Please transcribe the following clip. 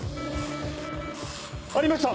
ありました！